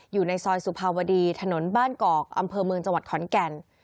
อยู่ในซอยสุภาวดีถนนบ้านกอกอำเภอเมืองจังหวัดขอนแก่น